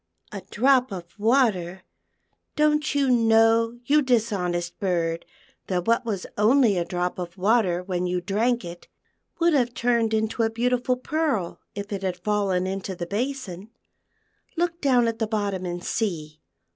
" A drop of water ! don't you know, you dishonest bird, that what was only a drop of water when you drank it, would have turned into a beautiful pearl if it had fallen into the basin. Look down at the bottom and see.